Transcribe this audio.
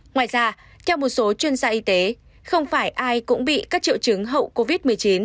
ngoài ra theo một số chuyên gia y tế không phải ai cũng bị các triệu chứng hậu covid một mươi chín